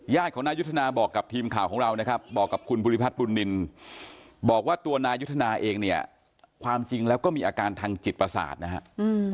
ของนายุทธนาบอกกับทีมข่าวของเรานะครับบอกกับคุณภูริพัฒน์บุญนินบอกว่าตัวนายุทธนาเองเนี่ยความจริงแล้วก็มีอาการทางจิตประสาทนะครับ